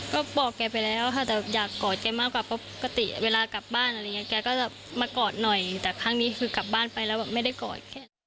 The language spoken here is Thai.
ก็บอกแกไปแล้วค่ะแต่อยากกอดแกมากกว่าปกติเวลากลับบ้านอะไรอย่างนี้แกก็จะมากอดหน่อยแต่ครั้งนี้คือกลับบ้านไปแล้วแบบไม่ได้กอดแค่นี้